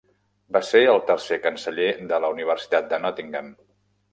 Va ser el tercer canceller de la Universitat de Nottingham.